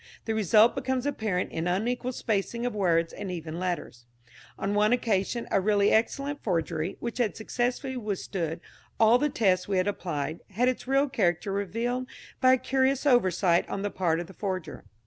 The result becomes apparent in unequal spacing of words and even letters. On one occasion a really excellent forgery, which had successfully withstood all the tests we had applied, had its real character revealed by a curious oversight on the part of the forger.